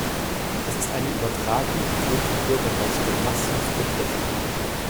Es ist eine Übertragung, die Grund- und Bürgerrechte massiv betrifft.